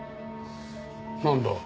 なんだ？